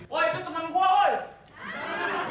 wah itu temen gua woy